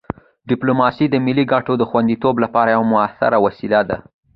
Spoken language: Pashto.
ډیپلوماسي د ملي ګټو د خوندیتوب لپاره یوه مؤثره وسیله ده.